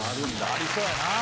ありそうやな。